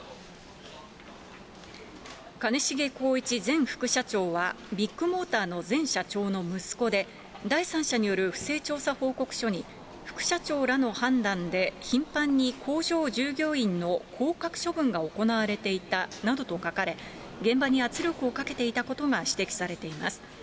兼重宏一前副社長は、ビッグモーターの前社長の息子で、第三者による不正調査報告書に、副社長らの判断で頻繁に工場従業員の降格処分が行われていたなどと書かれ、現場に圧力をかけていたことが指摘されています。